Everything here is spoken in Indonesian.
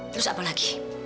terus apa lagi